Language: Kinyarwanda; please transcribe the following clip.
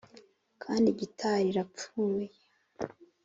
kandi gitari irapfuye